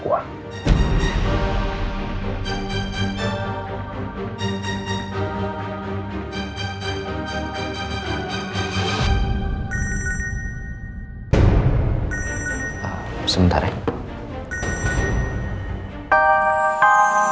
kita ancam dia